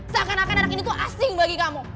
seakan akan anak ini tuh asing bagi kamu